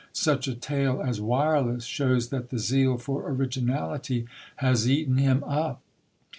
Such a tale as Wireless shows that the zeal for originality has eaten him up.